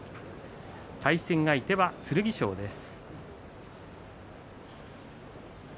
対戦相手は剣翔です。